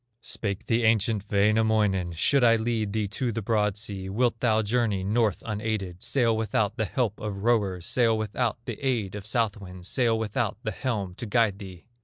Spake the ancient Wainamoinen: "Should I lead thee to the broad sea, Wilt thou journey north unaided, Sail without the help of rowers, Sail without the aid of south winds, Sail without the helm to guide thee?"